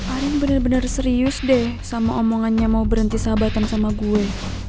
arief bener bener serius deh sama omongannya mau berhenti sahabatan sama gue